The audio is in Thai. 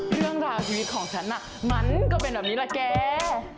เรื่องราวชีวิตของฉันมันก็เป็นแบบนี้แหละแก